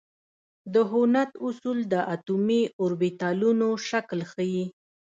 د هوند اصول د اټومي اوربیتالونو شکل ښيي.